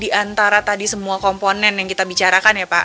di antara tadi semua komponen yang kita bicarakan ya pak